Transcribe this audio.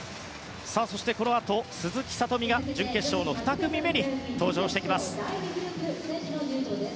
そしてこのあと鈴木聡美が準決勝の２組目に登場。